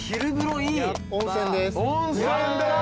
温泉です！